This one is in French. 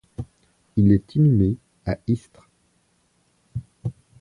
Il est inhumé à Istres.